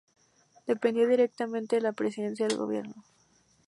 Dependía directamente de la Presidencia del Gobierno.